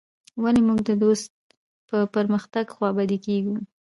ولي موږ د دوست په پرمختګ خوابدي کيږو.